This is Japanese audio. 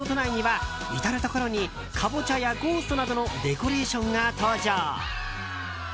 イベント期間中東京ディズニーリゾート内には至るところにカボチャやゴーストなどのデコレーションが登場。